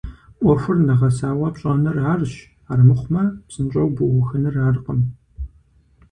Ӏуэхур нэгъэсауэ пщӀэныр арщ, армыхъумэ псынщӀэу бухыныр аркъым.